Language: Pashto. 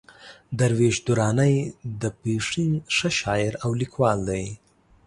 درویش درانی د پښين ښه شاعر او ليکوال دئ.